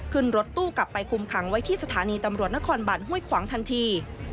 ขึ้นรถตู้กลับไปคุมขังไว้ที่สถานีตำรวจนครบันห้วยขวางทันที